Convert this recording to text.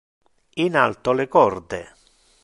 In alto le corde.